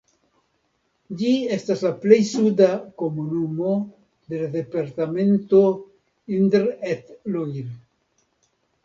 Ĝi estas la plej suda komunumo de la departemento Indre-et-Loire.